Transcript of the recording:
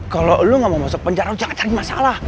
kalau lo gak mau masuk penjara lu jangan cari masalah